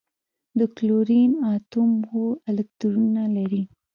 د کلورین اتوم اوه الکترونونه لري.